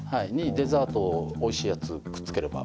デザートをおいしいやつくっつければばっちりです。